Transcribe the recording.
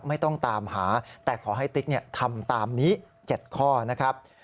ไม่ต้องตามหาแต่ขอให้ติ๊กทำตามนี้๗ข้อนะครับ